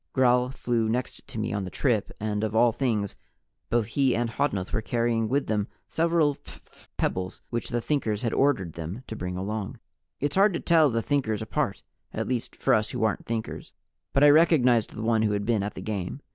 Gral flew next to me on the trip, and of all things, both he and Hodnuth were carrying with them several phph pebbles which the Thinkers had ordered them to bring along. It's hard to tell the Thinkers apart at least for us who aren't Thinkers but I recognized the one who had been at the game.